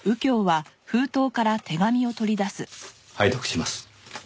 拝読します。